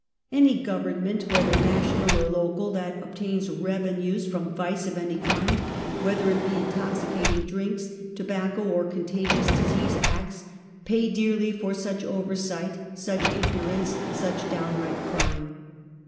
Any government, whether national or local, that obtains revenues from vice of any kind, whether it T^e intoxicatino; drinks, tobacco or contaofious disease acts, pay dearly for such oversight, such ignorance, such downright crime.